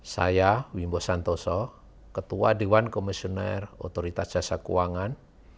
saya wimbo santoso ketua dewan komisioner otoritas jasa keuangan